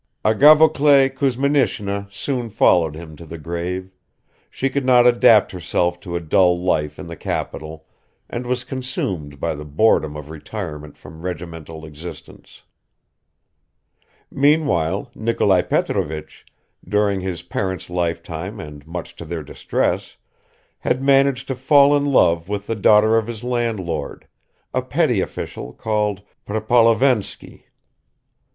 Agafoklea Kuzminishna soon followed him to the grave; she could not adapt herself to a dull life in the capital and was consumed by the boredom of retirement from regimental existence. Meanwhile Nikolai Petrovich, during his parents' lifetime and much to their distress, had managed to fall in love with the daughter of his landlord, a petty official called Prepolovensky.